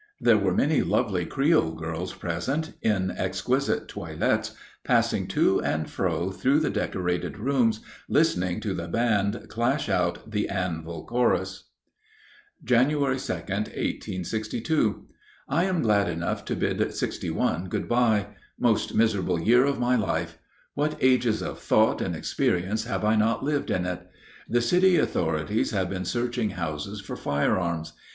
There were many lovely creole girls present, in exquisite toilets, passing to and fro through the decorated rooms, listening to the band clash out the Anvil Chorus. Jan. 2, 1862. I am glad enough to bid '61 good by. Most miserable year of my life! What ages of thought and experience have I not lived in it! The city authorities have been searching houses for firearms.